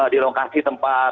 di lokasi tempat